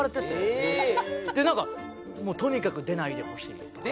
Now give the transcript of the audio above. でなんか「とにかく出ないでほしい」とか。